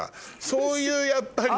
そういうやっぱり。